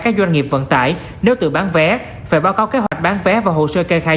các doanh nghiệp vận tải nếu tự bán vé phải báo cáo kế hoạch bán vé và hồ sơ kê khai